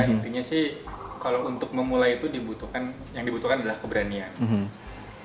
intinya sih kalau untuk memulai itu dibutuhkan yang dibutuhkan adalah keberanian